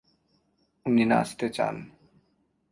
উনি নাচতে চান।